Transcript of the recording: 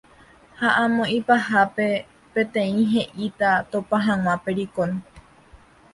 Ha amo ipahápe peteĩ he'íta topa hag̃ua pericón